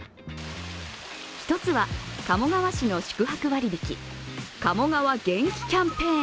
１つは、鴨川市の宿泊割り引き、鴨川元気キャンペーン。